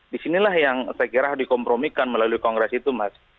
disinilah yang saya kira dikompromikan melalui kongres itu mas